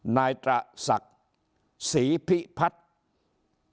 นายตระศักดิ์ศรีพิพัฒน์